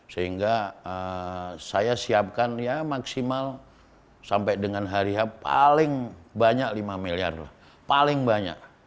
sehingga saya siapkan ya maksimal sampai dengan hari h paling banyak lima miliar lah paling banyak